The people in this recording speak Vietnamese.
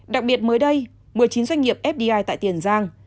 đặc biệt mới đây một mươi chín doanh nghiệp fdi tại tiền giang